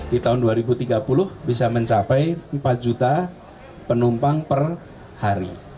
di tahun dua ribu tiga puluh bisa mencapai empat juta penumpang per hari